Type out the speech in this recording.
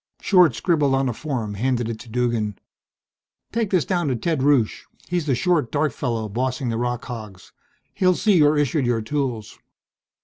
Short scribbled on a form, handed it to Duggan. "Take this down to Ted Rusche, he's the short, dark fellow bossing the rock hogs. He'll see you're issued your tools."